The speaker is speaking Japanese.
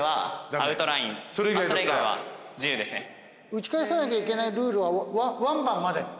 打ち返さないといけないルールは１バンまで？